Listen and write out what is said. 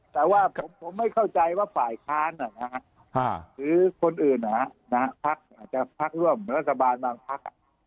แต่ว่าผมไม่เข้าใจว่าฝ่ายค้านหรือคนอื่นพักอาจจะพักร่วมรัฐบาลบางพัก